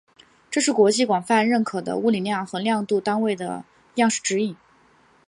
这是国际广泛认可的物理量和量度单位的样式指引。